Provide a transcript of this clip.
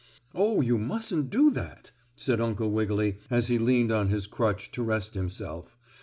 "Oh, you mustn't do that," said Uncle Wiggily, as he leaned on his crutch to rest himself.